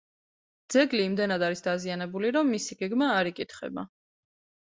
ძეგლი იმდენად არის დაზიანებული, რომ მისი გეგმა არ იკითხება.